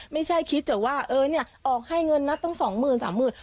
ไม่ใช่คิดแต่ว่าเออเนี่ยออกให้เงินนับตั้งสองหมื่นสามหมื่น